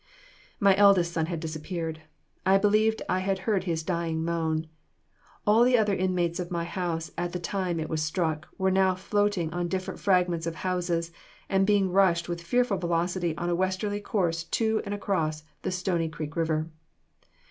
My eldest son had disappeared. I believed I had heard his dying moan. All the other inmates of my house at the time it was struck, were now floating on different fragments of houses, and being rushed with fearful velocity in a westerly course to and across the Stony Creek River.